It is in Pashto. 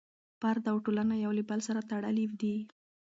فرد او ټولنه یو له بل سره تړلي دي.